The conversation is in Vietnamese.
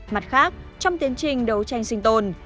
mặt khác trong tiến trình đấu tranh sinh tồn